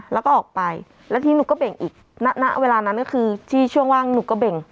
แล้วก็ออกไปแล้วทีนี้หนูก็เบ่งอีกณเวลานั้นก็คือที่ช่วงว่างหนูก็เบ่ง